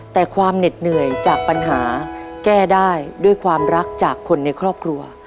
แต่ความเหน็ดเหนื่อยจากปัญหาแก้ได้ด้วยความรักจากคนในครอบครัว